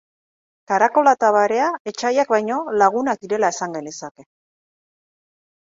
Karakola eta barea etsaiak baino lagunak direla esan genezake.